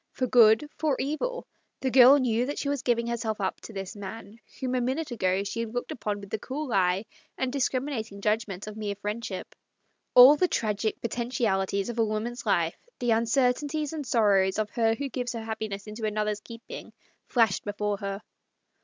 For good, for evil, the girl knew that she was giving herself, up to this MARTS LOVER. 79 man whom a minute ago she had looked upon with the cool eye and discriminating judgment of mere friendship. All the tragic potentiali ties of a woman's life, the uncertainties and sorrows of her who gives her happiness into another's keeping, flashed before her.